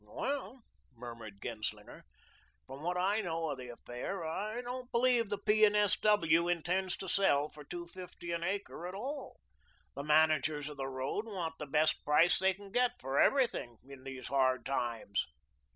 "Well," murmured Genslinger, "from what I know of the affair, I don't believe the P. and S. W. intends to sell for two fifty an acre, at all. The managers of the road want the best price they can get for everything in these hard times."